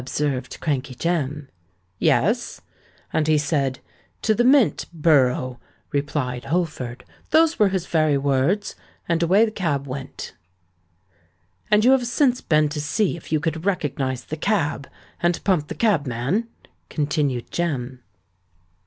observed Crankey Jem. "Yes—and he said, 'To the Mint—Borough,'" replied Holford: "those were his very words—and away the cab went." "And you have since been to see if you could recognise the cab, and pump the cab man?" continued Jem.